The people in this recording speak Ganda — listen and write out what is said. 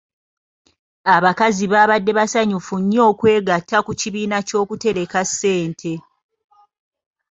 Abakazi baabadde basanyufu nnyo okwegatta ku kibiina ky'okutereka ssente.